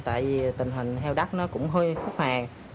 tại vì tình hình heo đất nó cũng hơi hút hàng